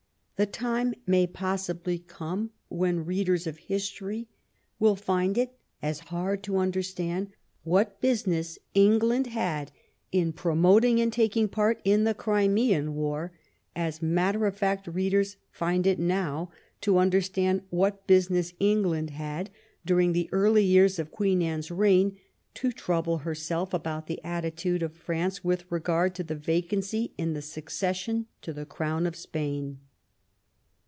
The time may possibly come when readers of history will find it as hard to understand what business Eng land had in promoting and taking part in the Crimean War as matter of fact readers find it now to under stand what business England had, during the early years of Queen Anne^s reign, to trouble herself about the attitude of France with regard to the vacancy in the succession to the crown of Spain.